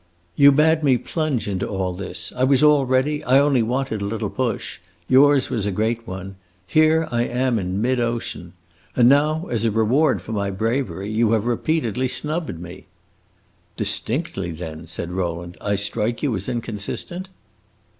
You bade me plunge into all this. I was all ready; I only wanted a little push; yours was a great one; here I am in mid ocean! And now, as a reward for my bravery, you have repeatedly snubbed me." "Distinctly, then," said Rowland, "I strike you as inconsistent?"